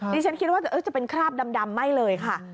ดิฉันคิดว่าจะเป็นคราบดำไม่เลยค่ะ